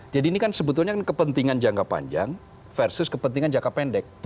jadi ini kan sebetulnya kepentingan jangka panjang versus kepentingan jangka pendek